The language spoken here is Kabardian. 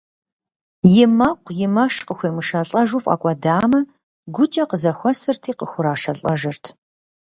И мэкъу, и мэш къыхуемышэлӀэжу фӀэкӀуэдамэ, гукӀэ къызэхуэсырти къыхурашэлӀэжырт.